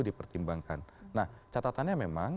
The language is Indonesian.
dipertimbangkan nah catatannya memang